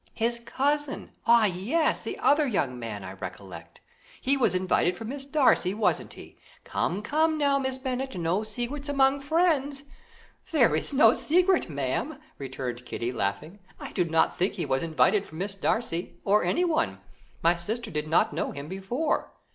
"His cousin! Ah, yes, the other young man, I recollect. He was invited for Miss Darcy, wasn't he? Come, come, now, Miss Bennet, no secrets among friends." "There is no secret, ma'am," returned Kitty, laughing, "I do not think he was invited for Miss Darcy, or anyone; my sister did not know him before."